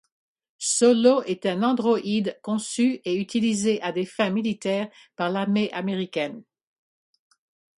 Solo est un androïde conçu et utilisé à des fins militaires par l'armée américaine.